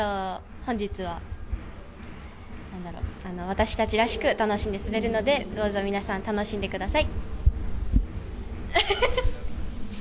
本日は私たちらしく楽しんで滑るのでどうぞ皆さん楽しんでください。